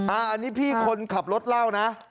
อันนี้พี่คนขับรถเล่านะ